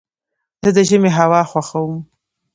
زه د ژمي هوا خوښوم.